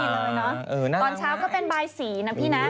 น่ารักไหมดูหน้าอยากได้ตอนเช้าก็เป็นใบสีนะพี่นะ